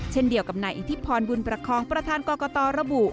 เช่นเดียวกับนายอิทธิพรบุญประคองประธานกรกตระบุ